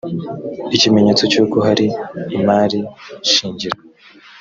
ikimenyetso cy’uko hari imari shingiro